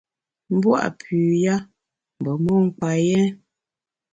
M’bua’ pü ya mbe mon kpa yèn.